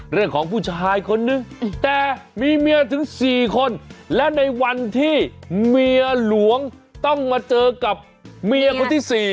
ผู้ชายคนนึงแต่มีเมียถึง๔คนและในวันที่เมียหลวงต้องมาเจอกับเมียคนที่๔